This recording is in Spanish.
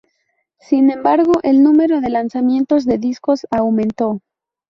Sin embargo, el número de lanzamientos de discos aumentó.